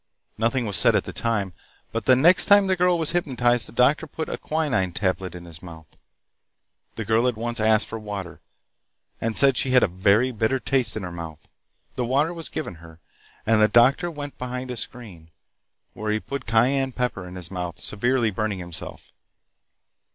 Nothing was said at the time, but the next time the girl was hypnotized, the doctor put a quinine tablet in his mouth. The girl at once asked for water, and said she had a very bitter taste in her mouth. The water was given her, and the doctor went behind a screen, where he put cayenne pepper in his mouth, severely burning himself.